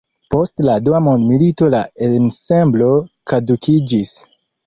Post la Dua mondmilito la ensemblo kadukiĝis.